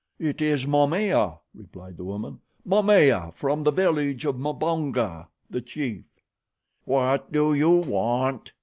"It is Momaya," replied the woman; "Momaya from the village of Mbonga, the chief. "What do you want?"